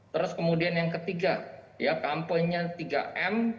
terus kemudian yang ketiga ya kampungnya tiga m